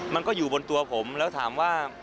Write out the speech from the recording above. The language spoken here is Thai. มันก็อยู่บนตัวผมแล้วถามว่า